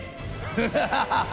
フハハハハ！